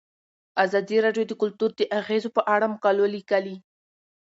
ازادي راډیو د کلتور د اغیزو په اړه مقالو لیکلي.